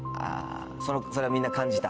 それはみんな感じた？